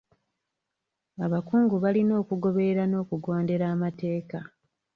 Abakungu balina okugoberera n'okugondera amateeka.